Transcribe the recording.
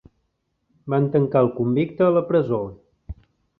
Van tancar el convicte a la presó.